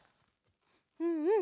うんうん。